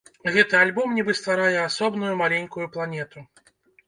Гэты альбом нібы стварае асобную маленькую планету.